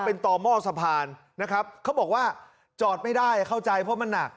เป็นต่อหม้อสะพานนะครับเขาบอกว่าจอดไม่ได้เข้าใจเพราะมันหนัก